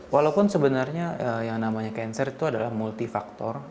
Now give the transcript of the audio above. walaupun sebenarnya yang namanya cancer itu adalah multifaktor